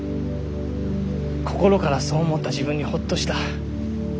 心からそう思った自分にホッとした。